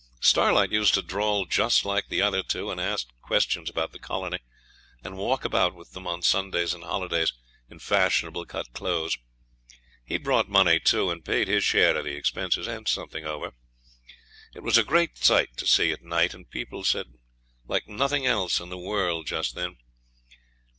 Starlight used to drawl just like the other two, and asked questions about the colony; and walk about with them on Sundays and holidays in fashionable cut clothes. He'd brought money, too, and paid his share of the expenses, and something over. It was a great sight to see at night, and people said like nothing else in the world just then.